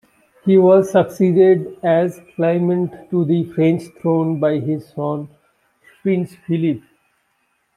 He was succeeded as claimant to the French throne by his son Prince Philippe.